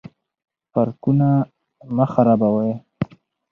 پارکونه مه خرابوئ.